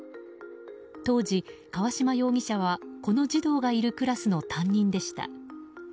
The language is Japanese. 当時、河嶌容疑者はこの児童がいるクラスの担任でした。